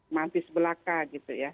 mantis belaka gitu ya